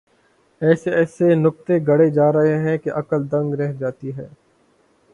ایسے ایسے نکتے گھڑے جا رہے ہیں کہ عقل دنگ رہ جاتی ہے۔